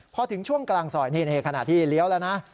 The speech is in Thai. พอถึงช่วงกลางซอยนี่ขณะที่เลี้ยวแล้วนะ